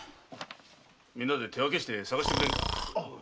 みんなで手分けして捜してくれんか？